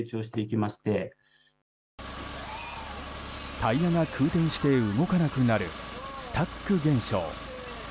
タイヤが空転して動かなくなるスタック現象。